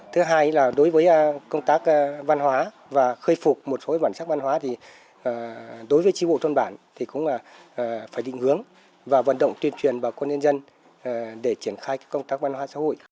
thứ hai là đối với công tác văn hóa và khôi phục một số bản sắc văn hóa thì đối với tri bộ thôn bản thì cũng là phải định hướng và vận động tuyên truyền bà con nhân dân để triển khai công tác văn hóa xã hội